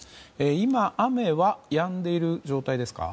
今、雨はやんでいる状態ですか？